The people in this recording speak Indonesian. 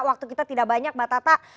waktu kita tidak banyak mbak tata